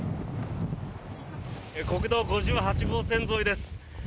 国道５８号線沿いです。